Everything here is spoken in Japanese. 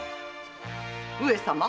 上様。